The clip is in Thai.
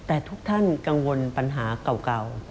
แต่ทุกท่านกังวลปัญหาเก่า